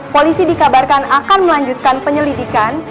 polisi dikabarkan akan melanjutkan penyelidikan